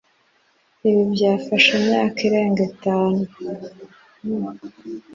Ibi byafashe imyaka irenga itanu n